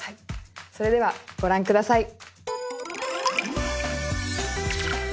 それではご覧下さい。